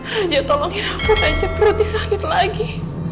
raja tolongin aku raja perutku sakit lagi